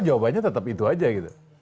jawabannya tetap itu aja gitu